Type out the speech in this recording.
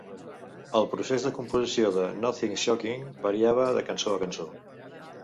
El procés de composició de "Nothing's Shocking" variava de cançó a cançó.